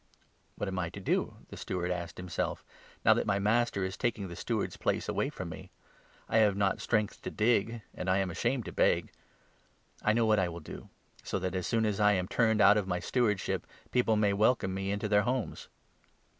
' What am I to do,' the steward asked himself, ' now that my 3 master is taking the steward's place away from me ? I have not strength to dig, and I am ashamed to beg. I know what 4 I will do, so that, as soon as I am turned out of my stewardship, people may welcome me into their homes.'